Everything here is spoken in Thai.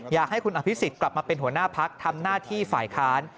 อยากให้คุณอภิษฎกลับมาเป็นหัวหน้าพักทำหน้าที่ฝ่ายค้าน